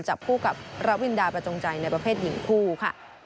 จับคู่กับระวินดาประจงใจในประเภทหญิงคู่ค่ะ